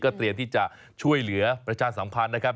เตรียมที่จะช่วยเหลือประชาสัมพันธ์นะครับ